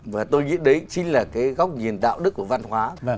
và tôi nghĩ đấy chính là cái góc nhìn đạo đức của văn hóa